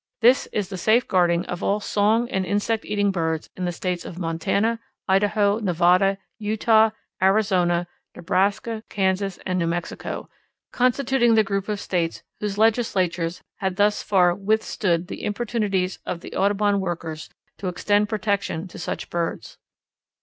This is the safeguarding of all song and insect eating birds in the States of Montana, Idaho, Nevada, Utah, Arizona, Nebraska, Kansas, and New Mexico, constituting the group of states whose legislatures had thus far withstood the importunities of the Audubon workers to extend protection to such birds.